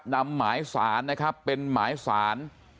นำหมายสารนะครับเป็นหมายสาร